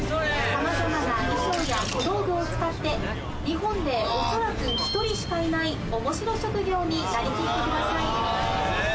・さまざまな衣装や小道具を使って日本で恐らく１人しかいないおもしろ職業になりきってください。